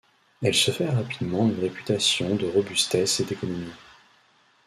Elle se fait rapidement une réputation de robustesse et d'économie.